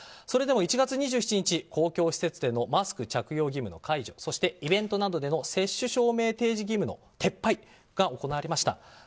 それでも１月２７日公共施設でのマスク着用義務解除そしてイベントなどでの接種証明提示義務の撤廃が行われました。